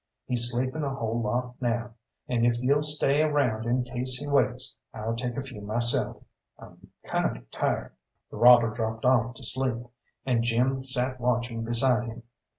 "He's sleeping a whole lot now, and if you'll stay around in case he wakes, I'll take a few myself; I'm kinder tired." The robber dropped off to sleep, and Jim sat watching beside him.